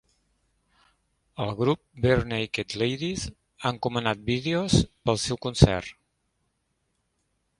El grup Barenaked Ladies ha encomanat vídeos pels seus concerts.